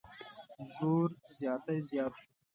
زور زیاتی زیات شو.